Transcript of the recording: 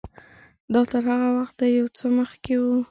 دا تر هغه وخته یو څه مخکې و.